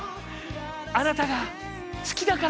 あなたが好きだから！